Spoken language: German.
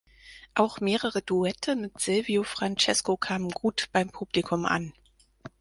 Auch mehrere Duette mit Silvio Francesco kamen gut beim Publikum an.